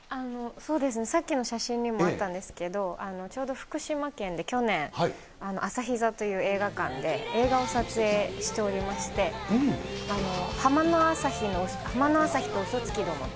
そうですね、さっきの写真にもあったんですけど、ちょうど福島県で去年、朝日座という映画館で映画を撮影しておりまして、浜の朝日の嘘つきどもと。